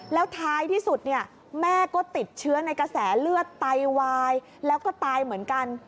แล้วท้ายที่สุดเนี่ยแม่ก็ติดเชื้อในกระแสเลือดไตวายแล้วก็ตายเหมือนกัน